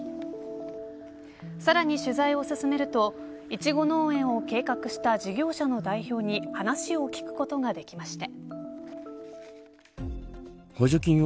さらに、取材を進めるとイチゴ農園を計画した事業者の代表に話を聞くことができました。